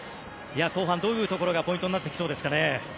後半、どういうところがポイントになってきそうですかね。